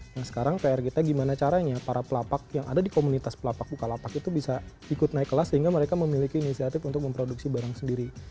nah sekarang pr kita gimana caranya para pelapak yang ada di komunitas pelapak bukalapak itu bisa ikut naik kelas sehingga mereka memiliki inisiatif untuk memproduksi barang sendiri